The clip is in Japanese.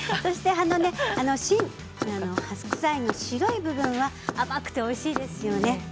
白菜の白い部分は甘くておいしいですよね。